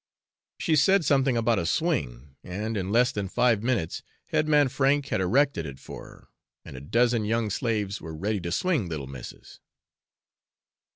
She said something about a swing, and in less than five minutes head man Frank had erected it for her, and a dozen young slaves were ready to swing little 'missis.'